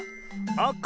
あか